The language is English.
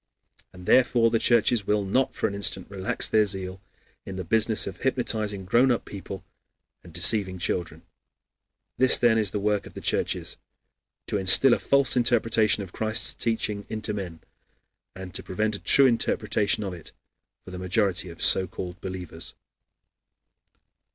And therefore the churches will not for an instant relax their zeal in the business of hypnotizing grown up people and deceiving children. This, then, is the work of the churches: to instill a false interpretation of Christ's teaching into men, and to prevent a true interpretation of it for the majority of so called believers.